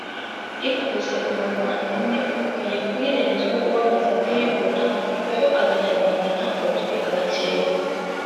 ikubise umuvandimwe ukwiye kuyirenza urugo wamaze kuyivuna kuko Abanyarwanda ntabwo turi abakeba